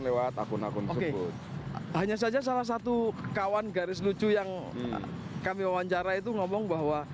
lewat akun akun tersebut hanya saja salah satu kawan garis lucu yang kami wawancara itu ngomong bahwa